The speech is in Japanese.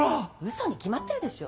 嘘に決まってるでしょ。